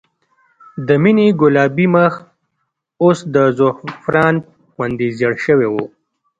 د مينې ګلابي مخ اوس د زعفران غوندې زېړ شوی و